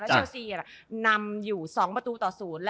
แล้วเชียลเซียนำอยู่สองประตูต่อสูตร